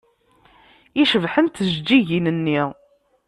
I cebḥent tjeǧǧigin-nni!